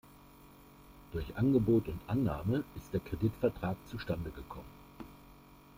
Durch Angebot und Annahme ist der Kreditvertrag zustande gekommen.